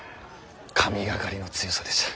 神がかりの強さでした。